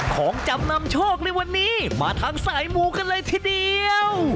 ของจำนำโชคในวันนี้มาทางสายมูกันเลยทีเดียว